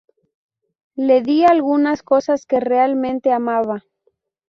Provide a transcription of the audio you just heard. Le di algunas cosas que realmente amaba.